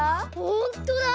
ほんとだ！